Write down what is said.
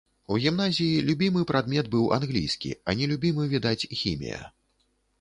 У гімназіі любімы прадмет быў англійскі, а нелюбімы, відаць, хімія.